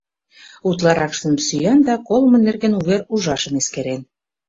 Утларакшым сӱан да колымо нерген увер ужашым эскерен.